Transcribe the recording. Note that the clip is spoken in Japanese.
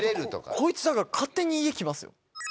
こいつなんか勝手に家来ますよ。